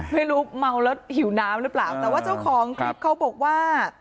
ไม่รู้เมาแล้วหิวน้ำหรือเปล่าแต่ว่าเจ้าของคลิปเขาบอกว่า